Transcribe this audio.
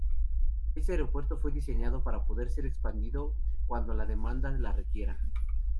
Este aeropuerto fue diseñado para poder ser expandido cuando la demanda la requiera.